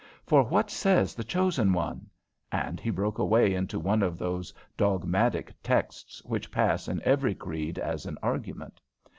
For what says the chosen one?" and he broke away into one of those dogmatic texts which pass in every creed as an argument.